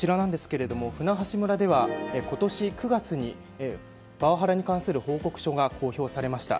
舟橋村では、今年９月にパワハラに関する報告書が公表されました。